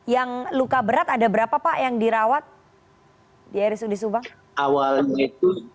yang luka berat ada berapa pak yang dirawat di rsud subang awalnya